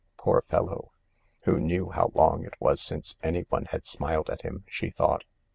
(Poor fellow, who knew how long it was since anyone had smiled at him ? she thought.)